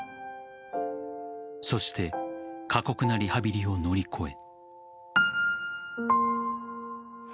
そして過酷なリハビリを乗り越え。